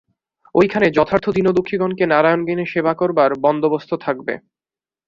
ঐখানে যথার্থ দীনদুঃখিগণকে নারায়ণজ্ঞানে সেবা করবার বন্দোবস্ত থাকবে।